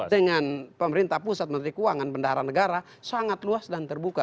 dengan pemerintah pusat menteri keuangan bendahara negara sangat luas dan terbuka